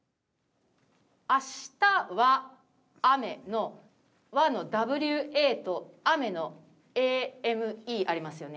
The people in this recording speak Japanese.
「明日は雨」の「は」の「ＷＡ」と「雨」の「ＡＭＥ」ありますよね。